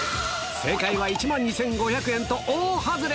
正解は１万２５００円と大外れ。